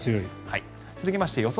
続きまして予想